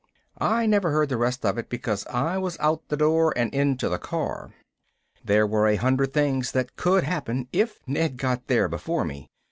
I never heard the rest of it because I was out the door and into the car. There were a hundred things that could happen if Ned got there before me.